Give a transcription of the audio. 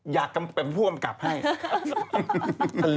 อยากกำเป็นผู้ความสำหรับให้